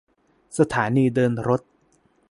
สถานีเดินรถ